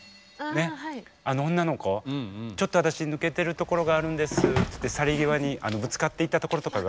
ちょっと私抜けてるところがあるんですっつって去り際にぶつかっていったところとかが。